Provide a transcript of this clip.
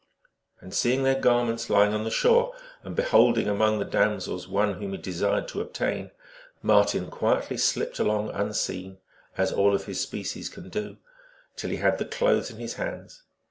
And seeing their garments lying on the shore, and beholding among the damsels one whom he desired to obtain, 1 Marten quietly slipped along unseen, as all of his species can do, till he had the clothes in his hands.